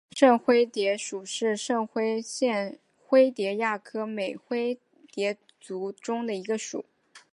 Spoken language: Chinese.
圣灰蝶属是灰蝶科线灰蝶亚科美灰蝶族中的一个属。